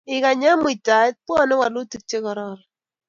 Ikany eng muitaet, pwoni walutik che kararan